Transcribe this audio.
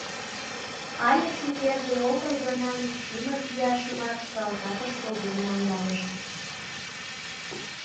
Але шукерте огыл гына Мичимыт ияшымат салтакыш поген наҥгайышт.